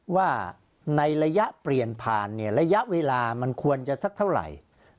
ว่าในระยะเปลี่ยนผ่านเนี่ยระยะเวลามันควรจะสักเท่าไหร่